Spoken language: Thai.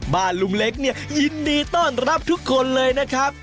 บ้านลุงเล็กยินดีต้อนรับทุกคนเลยนะครับ